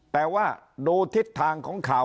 แต่ว่าดูทิศทางของข่าว